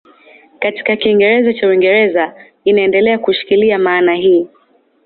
Katika Kiingereza cha Uingereza inaendelea kushikilia maana hii.